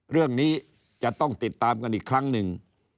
เรื่องนี้จะต้องติดตามกันอีกครั้งหนึ่ง